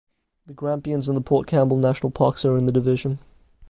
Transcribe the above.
The Grampians and the Port Campbell National Parks are in the division.